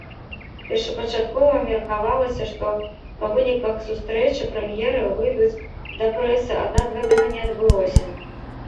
Першапачаткова меркавалася, што па выніках сустрэчы прэм'еры выйдуць да прэсы, аднак гэтага не адбылося.